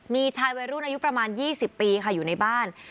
มีชายวัยรุ่นอายุประมาณ๒๐ปีค่ะอยู่ในบ้าน